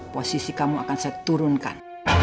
posisi kamu akan saya turunkan